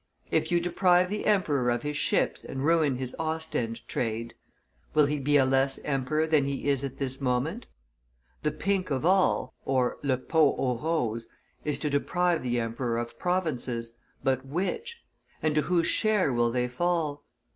If you deprive the emperor of his ships and ruin his Ostend trade, will he be a less emperor than he is at this moment? The pink of all (le pot aux roses) is to deprive the emperor of provinces, but which? And to whose share will they fall?